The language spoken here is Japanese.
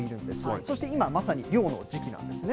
そして今、まさに漁の時期なんですね。